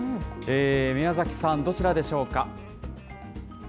宮崎さん、どちらでしょうか。